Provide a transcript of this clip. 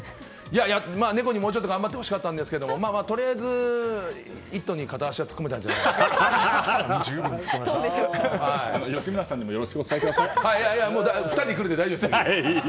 猫にもうちょっと頑張ってほしかったんですけどとりあえず「イット！」に片足を吉村さんにも次、２人で来るんで大丈夫です。